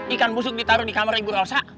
ikan busuk ditaruh di kamar ibu elsa